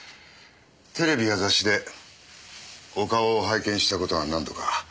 テレビや雑誌でお顔を拝見した事は何度か。